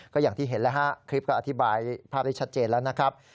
ก็อย่างที่เห็นแล้วฮะคลิปก็อธิบายภาพได้ชัดเจนแล้วนะครับ